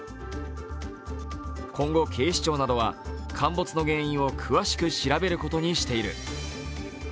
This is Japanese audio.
今後、警視庁などは陥没の原因を詳しく調べることにしている。